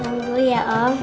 salam dulu ya om